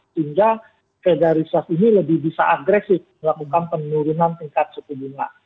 sehingga federalitas ini lebih bisa agresif melakukan penurunan tingkat suku bunga